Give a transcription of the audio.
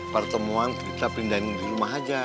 pertemuan kita pindahin di rumah aja